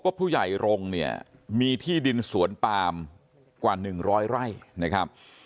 ผู้ใหญ่รงค์เนี่ยมีที่ดินสวนปามกว่า๑๐๐ไร่นะครับ